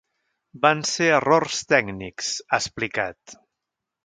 “Van ser errors tècnics”, ha explicat.